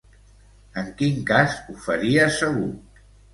En quin cas ho faria segur?